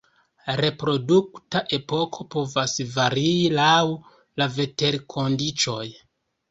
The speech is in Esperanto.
Reprodukta epoko povas varii laŭ la veterkondiĉoj.